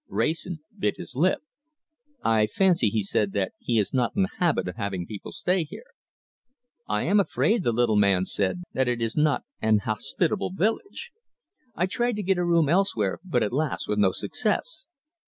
Wrayson bit his lip. "I fancy," he said, "that he is not in the habit of having people stay here." "I am afraid," the little fair man said, "that it is not an hospitable village. I tried to get a room elsewhere, but, alas! with no success.